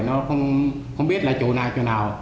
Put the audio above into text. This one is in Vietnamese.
nó không biết là chỗ nào chỗ nào